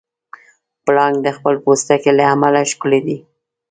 پړانګ د خپل پوستکي له امله ښکلی دی.